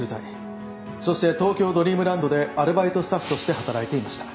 そして東京ドリームランドでアルバイトスタッフとして働いていました。